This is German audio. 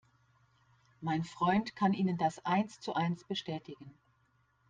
Mein Freund kann Ihnen das eins zu eins bestätigen.